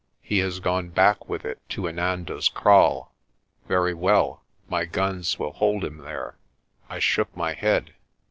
He has gone back with it to Inanda's Kraal. Very well, my guns will hold him there." I shook my head.